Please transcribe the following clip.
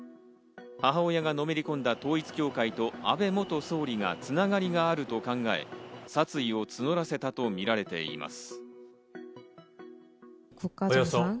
母親がのめり込んだ統一教会と安倍元総理が繋がりがあると考え、殺意を募らせたとみられています。